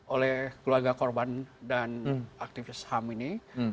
oleh keluarga korban dan aktivis ham ini